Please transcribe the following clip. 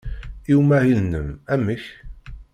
I umahil-nnem, amek?